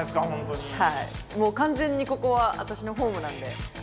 もう完全にここは私のホームなんで。